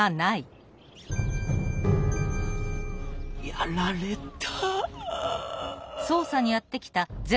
やられた。